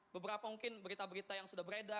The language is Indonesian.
beberapa mungkin berita berita yang sudah beredar